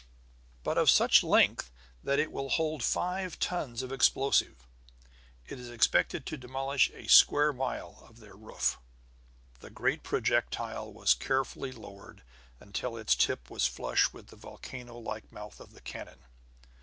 ] but of such length that it will hold five tons of explosive. It is expected to demolish a square mile of their roof." The great projectile was carefully lowered until its tip was flush with the volcano like mouth of the cannon.